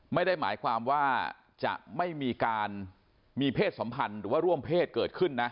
ไม่ได้หมายความว่าจะไม่มีการมีเพศสัมพันธ์หรือว่าร่วมเพศเกิดขึ้นนะ